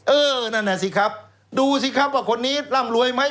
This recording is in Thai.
เออนั่นแหละสิครับดูสิครับว่าคนนี้ร่ำรวยไหม